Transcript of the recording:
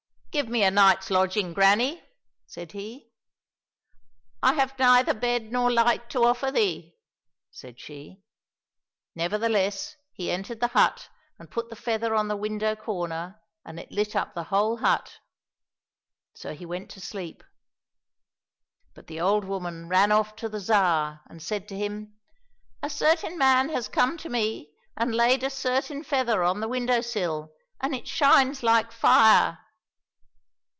" Give me a night's lodging, granny !" said he. —*' I have neither bed nor light to offer thee," said she. Nevertheless he entered the hut and put the feather on the window corner, and it lit up the whole hut. So he went to sleep. But the old woman ran off to the Tsar, and said to him, '* A certain man has come to me and laid a certain feather on the window sill, and it shines like fire